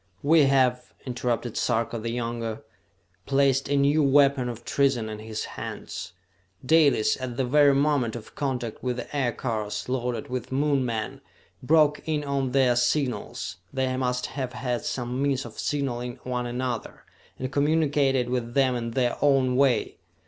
"We have," interrupted Sarka the Younger, "placed a new weapon of treason in his hands! Dalis, at the very moment of contact with the aircars, loaded with Moon men, broke in on their signals they must have had some means of signalling one another and communicated with them in their own way!